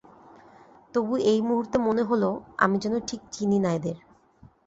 তবু এই মুহূর্তে মনে হল, আমি যেন ঠিক চিনি না এদের।